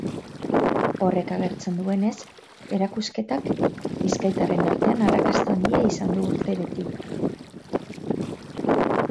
Horrek agertzen duenez, erakusketak bizkaitarren artean arrakasta handia izan du urte beti.